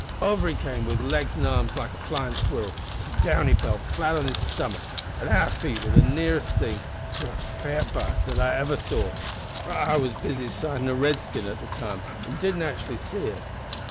Over he came with legs an' arms out like a flyin' squirrel, and down he fell flat on his stummick at our feet wi' the nearest thing to a fair bu'st that I ever saw, or raither heard, for I was busy sightin' a Redskin at the time an' didn't actually see it.